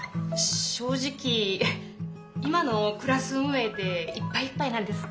正直今のクラス運営でいっぱいいっぱいなんです。